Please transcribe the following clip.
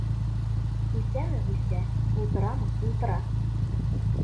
Үҫәме - үҫә, ултырамы - ултыра.